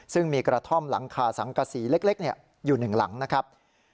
ซึ่งมีกระท่อมหลังคาสังกษีเล็กอยู่หนึ่งหลังนะครับ